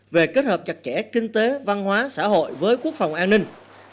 về kết hợp chặt chẽ kinh tế văn hóa xã hội với quốc phòng an ninh